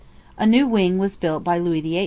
A new wing was built by Louis XVIII.